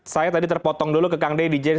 saya tadi terpotong dulu ke kang deddy